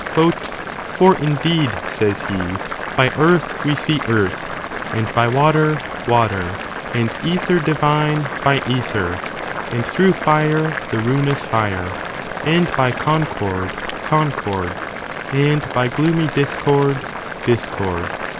^ "For, indeed, says he, by earth we see earth, and by water, water, And ether divine by ether, and through fire the ruinous fire, And by concord, concord, and by gloomy discord, discord."